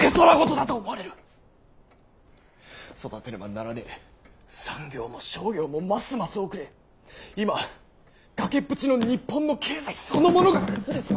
育てねばならねぇ産業も商業もますます遅れ今崖っぷちの日本の経済そのものが崩れちまうんだ！